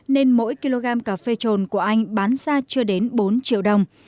nên mỗi kg cà phê trồn của anh bán ra chưa đến bốn triệu đồng